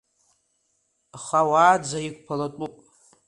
Аха уаанӡа иқәԥалатәуп!